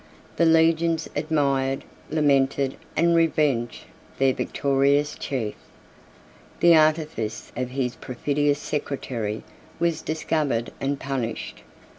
The legions admired, lamented, and revenged their victorious chief. The artifice of his perfidious secretary was discovered and punished.